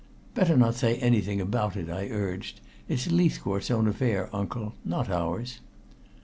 "Better not say anything about it," I urged. "It's Leithcourt's own affair, uncle not ours."